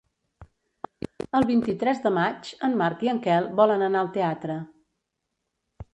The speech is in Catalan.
El vint-i-tres de maig en Marc i en Quel volen anar al teatre.